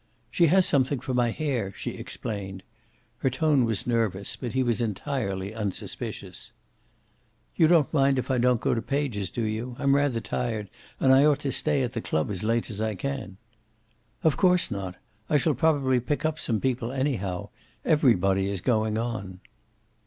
"She has something for my hair," she explained. Her tone was nervous, but he was entirely unsuspicious. "You don't mind if I don't go on to Page's, do you? I'm rather tired, and I ought to stay at the club as late as I can." "Of course not. I shall probably pick up some people, anyhow. Everybody is going on."